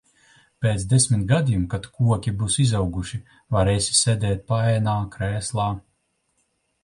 Pēc desmit gadiem kad koki būs izauguši, varēsi sēdēt paēnā, krēslā.